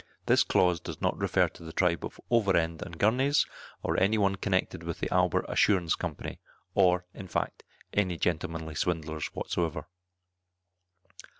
This clause does not refer to the tribe of Overend and Gurney's, or any one connected with the Albert Assurance Company, or, in fact, any gentlemanly swindlers whatever.